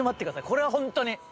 これはホントに。